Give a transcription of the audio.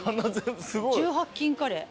１８禁カレー。